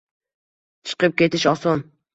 Chiqib ketish oson